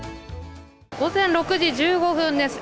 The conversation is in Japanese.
午前６時１５分です。